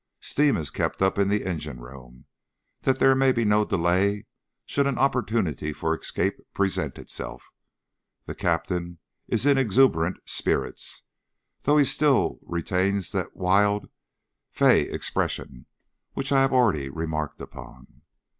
Steam is kept up in the engine room, that there may be no delay should an opportunity for escape present itself. The Captain is in exuberant spirits, though he still retains that wild "fey" expression which I have already remarked upon.